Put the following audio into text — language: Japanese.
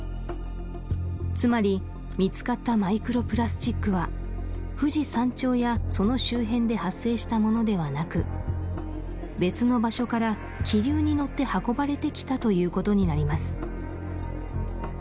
つまり見つかったマイクロプラスチックは富士山頂やその周辺で発生したものではなく別の場所から気流に乗って運ばれてきたということになります